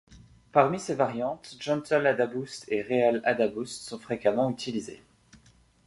Parmi ces variantes, Gentle AdaBoost et Real Adaboost sont fréquemment utilisées.